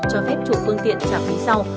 cho phép chủ phương tiện trả phí sau